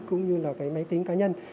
cũng như máy tính cá nhân